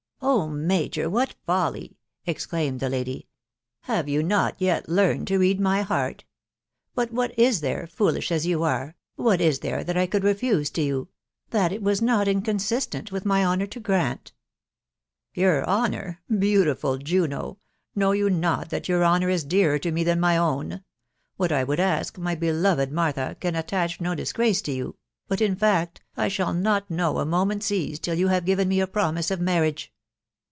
" Oh ! major, what folly !" exclaimed the lady. €€ Have you not yet learned to read my heart? .... But what is there .•.,. foolish as you are ...• what is there that I could refuse to you .... that it was not inconsistent with my honour to grant? ...."" Your honour !.•.• Beautiful Juno ! know you not that your honour is dearer to me than my own ?.... What I would ask, my beloved Martha, can attach no disgrace to you, .... but, in fact, I shall not know a moment's ease till yon have given me a promise of marriage.